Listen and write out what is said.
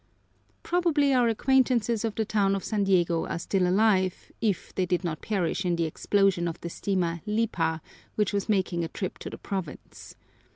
Probably our acquaintances of the town of San Diego are still alive, if they did not perish in the explosion of the steamer "Lipa," which was making a trip to the province.